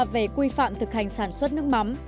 về quy phạm thực hành sản xuất nước mắm